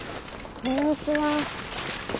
こんにちは。